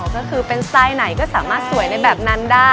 ก็คือเป็นไส้ไหนก็สามารถสวยในแบบนั้นได้